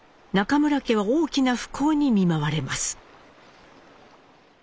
中村家は大きな不幸に見舞われます。